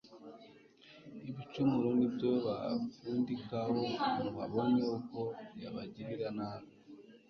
ibicumuro nibyo bafudikaho ngw abone uko yabagirira nabi